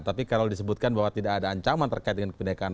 tapi kalau disebutkan bahwa tidak ada ancaman terkait dengan kebenekaan